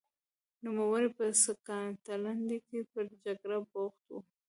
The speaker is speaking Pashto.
نوموړی په سکاټلند کې پر جګړه بوخت و.